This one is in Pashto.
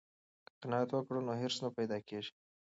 که قناعت وکړو نو حرص نه پیدا کیږي.